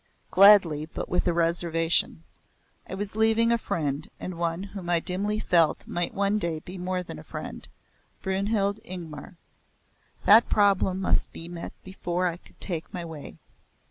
Gladly but with a reservation. I was leaving a friend and one whom I dimly felt might one day be more than a friend Brynhild Ingmar. That problem must be met before I could take my way.